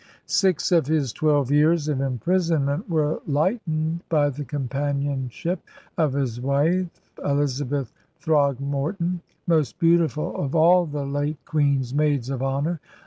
Six of his twelve years of imprisonment were lightened by the companionship of his wife, Eliza beth Throgmorton, most beautiful of all the late THE VISION OF THE WEST 221 Queen's maids of honor.